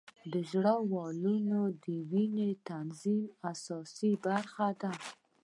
د زړه والونه د وینې د تنظیم اساسي برخه ده.